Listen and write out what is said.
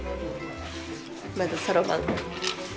まずそろばん。